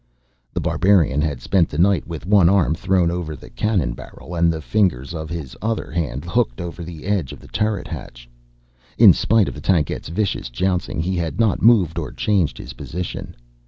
The Barbarian had spent the night with one arm thrown over the cannon barrel and the fingers of his other hand hooked over the edge of the turret hatch. In spite of the tankette's vicious jouncing, he had not moved or changed his position.